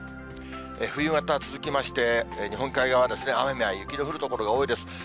冬型続きまして、日本海側、雨や雪の降る所が多いです。